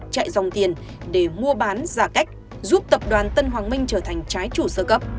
chạy dòng tiền để mua bán giả cách giúp tập đoàn tân hoàng minh trở thành trái chủ sơ cấp